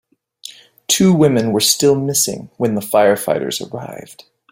Two women were still missing when the firefighters arrived.